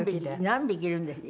何匹いるんです？